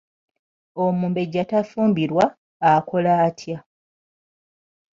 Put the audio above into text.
Omumbejja tafumbirwa, akola atya?